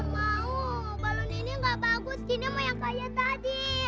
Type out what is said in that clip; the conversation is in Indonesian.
mau balon ini gak bagus kini sama yang kaya tadi